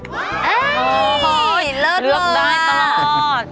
เฮ้ยเลิศมาก